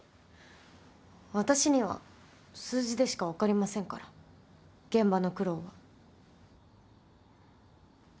私には数字でしかわかりませんから現場の苦労は。